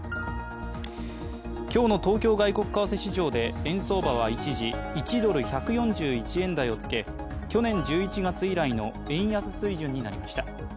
今日の東京外国為替市場で円相場は一時、１ドル＝１４１円台をつけ、去年１１月以来の円安水準になりました。